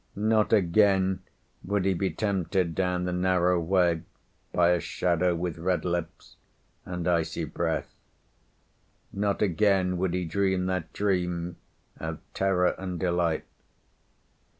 Not again would he be tempted down the narrow way by a shadow with red lips and icy breath; not again would he dream that dream of terror and delight.